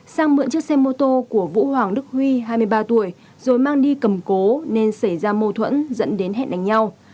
sang mượn chiếc xe mô tô của vũ hoàng đức huy hai mươi ba tuổi rồi mang đi cầm cố nên xảy ra mâu thuẫn dẫn đến hẹn đánh nhau